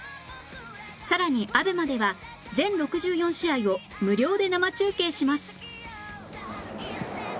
さらに ＡＢＥＭＡ では全６４試合を無料で生中継します